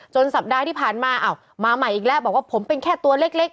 สัปดาห์ที่ผ่านมาอ้าวมาใหม่อีกแล้วบอกว่าผมเป็นแค่ตัวเล็ก